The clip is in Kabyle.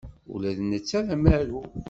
Ula d netta d amaru.